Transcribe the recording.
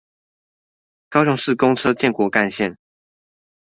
高雄市公車建國幹線